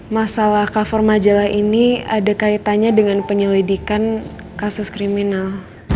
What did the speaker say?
masalah cover majalah ini ada kaitannya dengan penyelidikan kasus kriminal